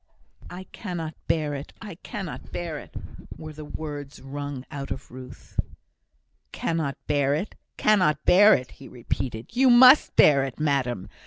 "I cannot bear it I cannot bear it!" were the words wrung out of Ruth. "Cannot bear it! cannot bear it!" he repeated. "You must bear it, madam.